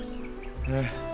ええ。